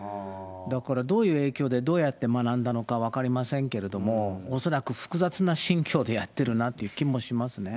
だからどういう影響で、どうやって学んだのか分かりませんけれども、恐らく複雑な心境でやってるなという気もしますね。